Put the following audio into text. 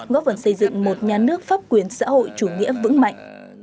góp phần xây dựng một nhà nước pháp quyền xã hội chủ nghĩa vững mạnh